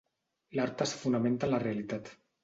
L'art es fonamenta en la realitat.